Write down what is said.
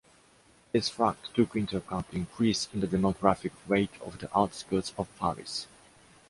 This fact took into account the increase in the demographic weight of the outskirts of Paris.